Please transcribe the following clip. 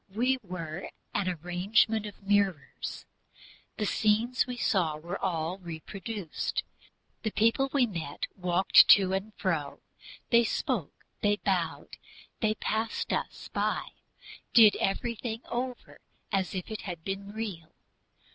We were an arrangement of mirrors. The scenes we saw were all reproduced; the people we met walked to and fro; they spoke, they bowed, they passed us by, did everything over again as if it had been real.